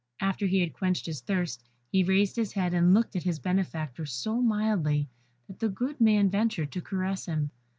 After he had quenched his thirst, he raised his head and looked at his benefactor so mildly, that the good man ventured to caress him.